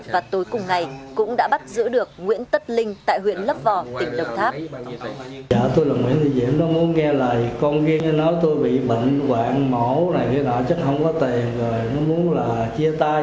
và tối cùng ngày cũng đã bắt giữ được nguyễn tất linh tại huyện lấp vò tỉnh độc tháp